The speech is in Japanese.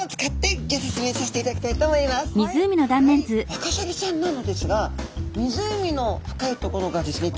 ワカサギちゃんなのですが湖の深い所がですね